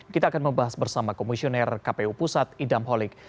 kita akan membahas bersama komisioner kpu pusat idam holik